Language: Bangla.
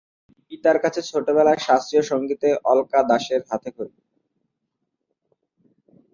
পিতার কাছেই ছোটবেলা শাস্ত্রীয় সংগীতে অলকা দাশের হাতেখড়ি।